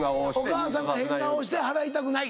お母さんが変顔をして払いたくない。